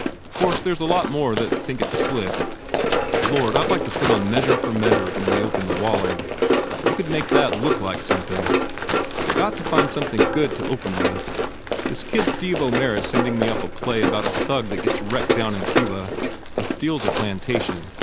Of course, there s a lot more that think it s slick. Lord, I d like to put on Measure for Measure when we open the Walling! You could make that look like something. I ve got to find some thing good to open with. This kid Steve O Mara s sending me up a play about a thug that gets wrecked down in Cuba and steals a plan tation.